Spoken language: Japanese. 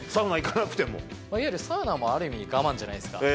サウナもある意味、我慢じゃないですか。